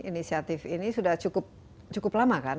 inisiatif ini sudah cukup lama kan